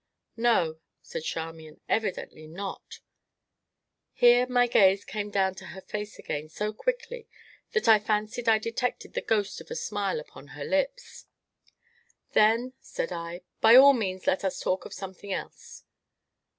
"No," said Charmian, "evidently not!" Here my gaze came down to her face again so quickly that I fancied I detected the ghost of a smile upon her lips. "Then," said I, "by all means let us talk of something else."